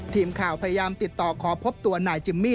ทีมข่าวพยายามติดต่อขอพบตัวนายจิมมี่